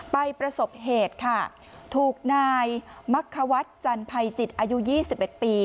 ไปประสบเหตุค่ะถูกนายมักขวัดจันทร์พัยจิตอายุยี่สิบเอ็ดปี